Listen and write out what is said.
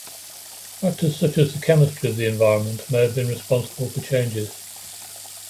Factors such as the chemistry of the environment may have been responsible for changes.